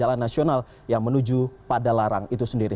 jalan nasional yang menuju pada larang itu sendiri